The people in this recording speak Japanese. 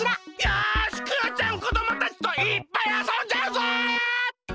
よしクヨちゃんこどもたちといっぱいあそんじゃうぞ！